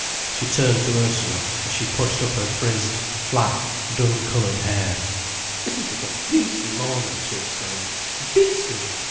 She turned to Ursula, as she pushed up her frizzed, flat, dun coloured hair. "Isn't it a beastly morning," she exclaimed, "beastly!